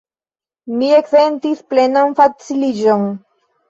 Mi eksentis plenan faciliĝon.